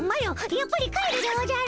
やっぱり帰るでおじゃる。